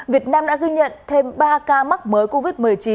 việt nam đã ghi nhận thêm ba ca mắc mới covid một mươi chín